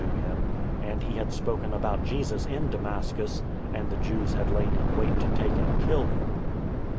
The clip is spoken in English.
THE TWO ESCAPES 95 him, and he had spoken about Jesus in Damascus, and the Jews had lain in wait to take and kill him.